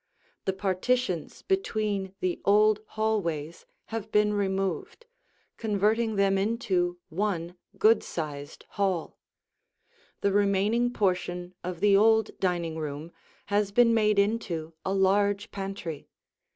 The partitions between the old hallways have been removed, converting them into one good sized hall. The remaining portion of the old dining room has been made into a large pantry.